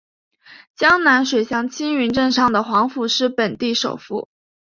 江南水乡青云镇上的黄府是本地首富。